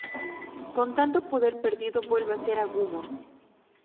Con tanto poder perdido, vuelve a ser Agumon.